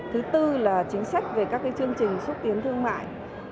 thứ tư là chính sách về các chương trình xúc tiến thương mại